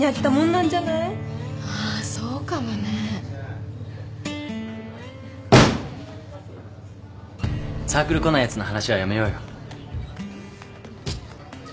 あそうかもね。・サークル来ないやつの話はやめようよ。